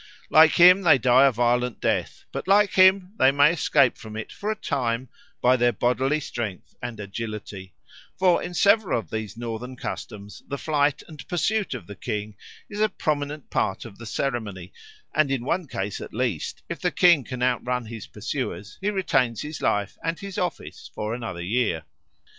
Like him they die a violent death, but like him they may escape from it for a time by their bodily strength and agility; for in several of these northern customs the flight and pursuit of the king is a prominent part of the ceremony, and in one case at least if the king can outrun his pursuers he retains his life and his office for another year.